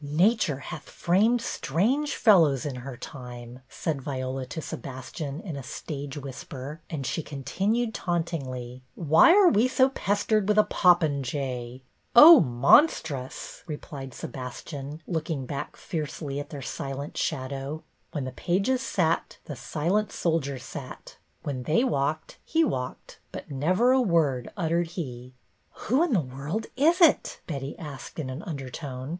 "Nature hath framed strange fellows in her time," said Viola to Sebastian in a stage whis per; and she continued, tauntingly, " Why are we so pestered with a popinjay ?" "Oh, monstrous!" replied Sebastian, look ing back fiercely at their silent shadow. When the pages sat, the silent soldier sat; when they walked, he walked ; but never a word uttered he. "Who in the world is it.?" Betty asked in an undertone.